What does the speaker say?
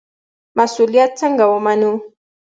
مسوولیت څنګه ومنو؟